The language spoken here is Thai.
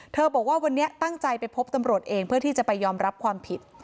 บอกว่าวันนี้ตั้งใจไปพบตำรวจเองเพื่อที่จะไปยอมรับความผิด